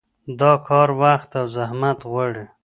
دا کار وخت او زحمت غواړي.